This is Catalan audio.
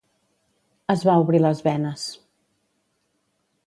Es va obrir les venes.